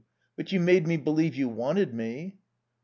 But you made me believe you wanted me."